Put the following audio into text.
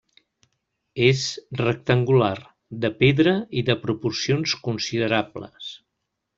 És rectangular, de pedra, i de proporcions considerables.